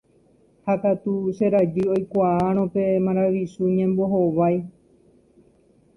Ha katu che rajy oikuaárõ pe maravichu ñembohovái.